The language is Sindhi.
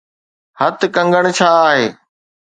هٿ ڪنگڻ ڇا آهي؟